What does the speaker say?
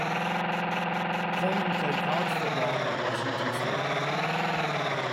Coleman played college football at Washington State.